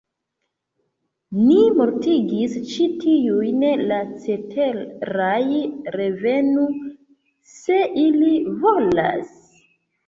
Ni mortigis ĉi tiujn; la ceteraj revenu, se ili volas!